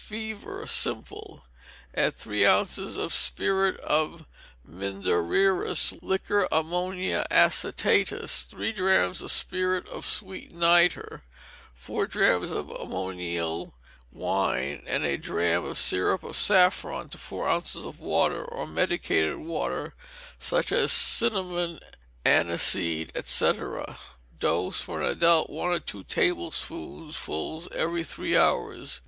Fever, Simple. Add three ounces of spirit of mindererus (Liquor ammonia acetatis), three drachms of spirits of sweet nitre, four drachms of antimonial wine, and a drachm of syrup of saffron, to four ounces of water, or medicated water, such as cinnamon, aniseed, &c. Dose, for an adult, one or two tablespoonfuls every three hours.